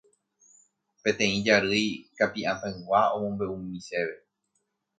Peteĩ jarýi Kapi'atãygua omombe'úmi chéve